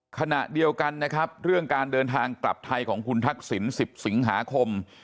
ขณะเดียวกันนะครับเรื่องการเดินทางกลับไทยของคุณทักษิณ๑๐สิงหาคม